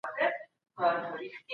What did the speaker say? د شوالیو دوره کله ختمه سوه؟